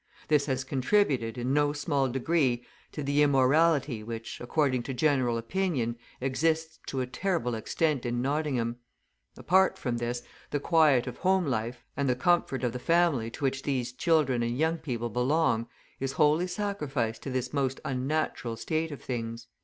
This has contributed, in no small degree, to the immorality which, according to general opinion, exists to a terrible extent in Nottingham. Apart from this, the quiet of home life, and the comfort of the family to which these children and young people belong, is wholly sacrificed to this most unnatural state of things."